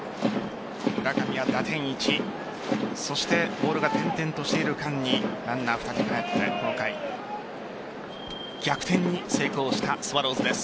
村上には打点１そしてボールが転々としている間にランナー２人がかえってこの回逆転に成功したスワローズです。